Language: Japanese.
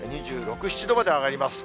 ２６、７度まで上がります。